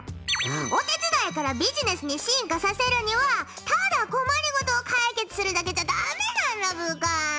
お手伝いからビジネスに進化させるにはただ困りごとを解決するだけじゃ駄目なんだブーカ。